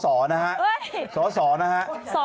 สอนะฮะสออะไรคะ